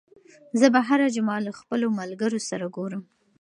زه به هره جمعه له خپلو ملګرو سره ګورم.